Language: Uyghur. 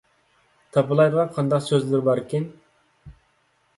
تاپىلايدىغان قانداق سۆزلىرى باركىن؟